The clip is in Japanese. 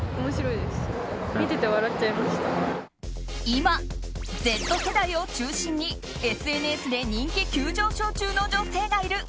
今、Ｚ世代を中心にＳＮＳで人気急上昇中の女性がいる。